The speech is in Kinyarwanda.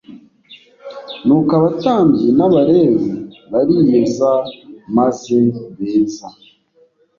nuko abatambyi n abalewi bariyeza maze beza